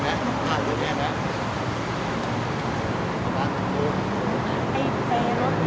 เอาเอารองแหมถ่ายเพื่อแม่แม่